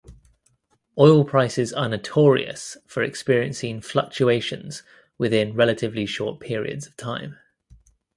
Oil prices are notorious for experiencing fluctuations within relatively short periods of time.